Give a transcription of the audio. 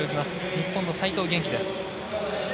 日本の齋藤元希です。